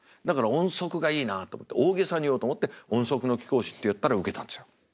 だから音速がいいなと思って大げさに言おうと思って音速の貴公子って言ったらウケたんですよ。